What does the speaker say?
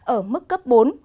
ở mức cấp bốn